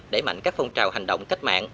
để mạnh các phong trào hành động cách mạng